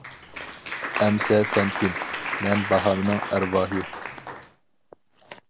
-ئەمسە سەن كىم؟ -مەن باھارنىڭ ئەرۋاھى.